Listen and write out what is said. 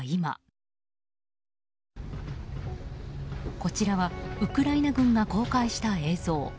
こちらはウクライナ軍が公開した映像。